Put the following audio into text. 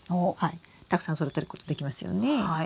たくさん育てることできますよね。